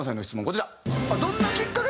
こちら。